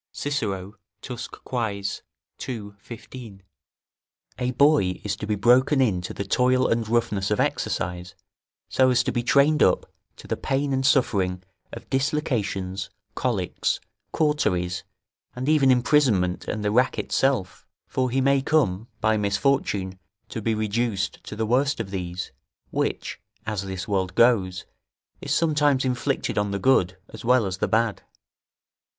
Cicero, Tusc. Quaes., ii. 15.] A boy is to be broken in to the toil and roughness of exercise, so as to be trained up to the pain and suffering of dislocations, cholics, cauteries, and even imprisonment and the rack itself; for he may come by misfortune to be reduced to the worst of these, which (as this world goes) is sometimes inflicted on the good as well as the bad.